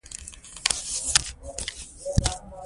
اوږده غرونه د افغانستان د بڼوالۍ برخه ده.